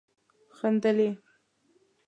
خندل يې.